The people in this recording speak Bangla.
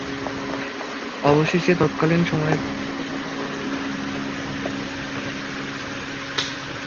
অবশেষে তৎকালীন সময়ে পাঁচ শত টাকার বিনিময়ে রামচন্দ্র এই বিদ্যা রপ্ত করেছিলেন।